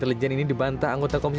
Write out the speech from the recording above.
mereka hanya menjalankan tugas seperti ini